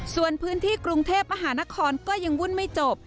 ส่วนพื้นที่กรุงเทพมหานครก็ยังวุ่นไม่จบ